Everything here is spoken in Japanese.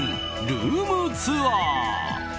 ルームツアー！